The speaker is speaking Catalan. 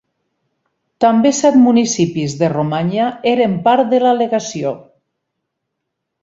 També set municipis de Romanya eren part de la Legació.